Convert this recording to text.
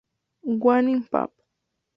Wageningen Pap.